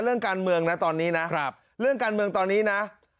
เรื่องการเมืองนะตอนนี้นะเรื่องการเมืองตอนนี้นะ